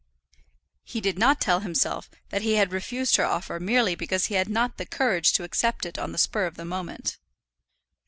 He did not tell himself that he had refused her offer merely because he had not the courage to accept it on the spur of the moment.